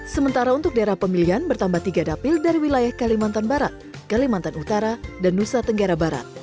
sementara untuk daerah pemilihan bertambah tiga dapil dari wilayah kalimantan barat kalimantan utara dan nusa tenggara barat